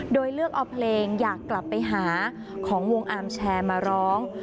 โดยเลือกเอาเพลงอยากกลับไปหาของวงอาร์มแชร์มาร้อง